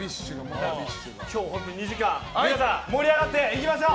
今日も皆さん盛り上がっていきましょう！